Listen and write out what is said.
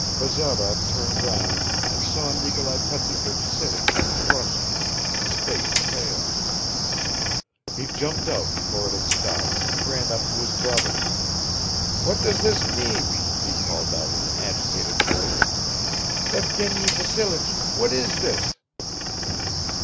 Bazarov turned round and saw Nikolai Petrovich sitting in a droshky, his face pale. He jumped out before it had stopped and ran up to his brother. "What does this mean?" he called out in an agitated voice. "Evgeny Vassilich, what is this?"